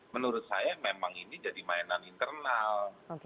menurut saya memang ini jadi mainan internal